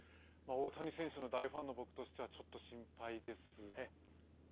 大谷選手の大ファンの僕としてはちょっと心配です。